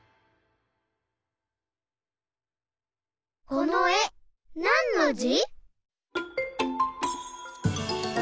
このえなんのじ？